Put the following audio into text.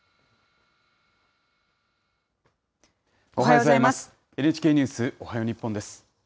おはようございます。